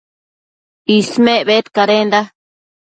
Ismec bedcadenda